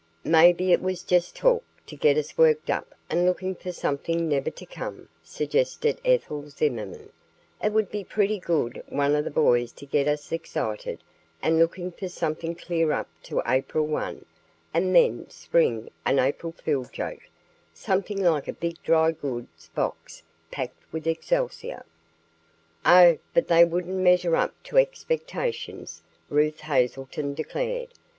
"Maybe it was just talk, to get us worked up and looking for something never to come," suggested Ethel Zimmerman. "It would be a pretty good one for the boys to get us excited and looking for something clear up to April 1, and then spring an April fool joke, something like a big dry goods box packed with excelsior." "Oh, but that wouldn't measure up to expectations," Ruth Hazelton declared.